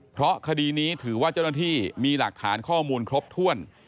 เพราะคดีนี้ถือว่าเจ้าหน้าที่มีหลักฐานข้อมูลครบถ้วน